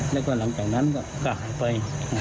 แล้วก็หลังจากนั้นก็หายไป